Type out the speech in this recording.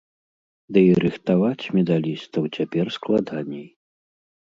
Ды і рыхтаваць медалістаў цяпер складаней.